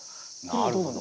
なるほど。